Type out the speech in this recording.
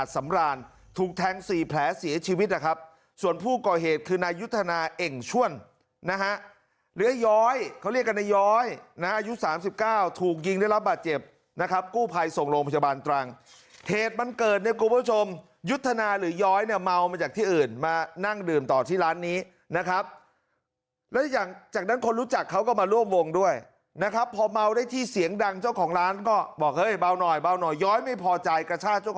สำรานถูกแทงสี่แผลเสียชีวิตนะครับส่วนผู้ก่อเหตุคือนายุทธนาเองช่วนนะฮะหรือย้อยเขาเรียกกันในย้อยนะอายุสามสิบเก้าถูกยิงได้รับบาดเจ็บนะครับกู้ภัยส่งโรงพยาบาลตรังเหตุมันเกิดในกรุงผู้ชมยุทธนาหรือย้อยเนี่ยเมามาจากที่อื่นมานั่งดื่มต่อที่ร้านนี้นะครับแล้วอย่างจากนั้นคนรู้จ